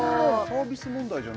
サービス問題！？